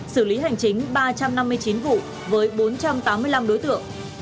xử lý hành chính ba trăm năm mươi chín vụ với bốn trăm tám mươi năm đối tượng